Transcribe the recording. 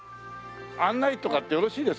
案内とかってよろしいですか？